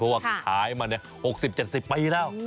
เพราะว่าขายมา๖๐๗๐ปีแล้ว